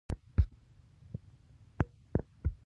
آیا زعفران تر ټولو ګران بوټی دی؟